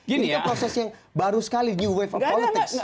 ini proses yang baru sekali new wave of politics